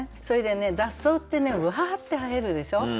それでね雑草ってねわって生えるでしょ。